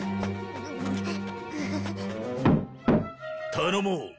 頼もう！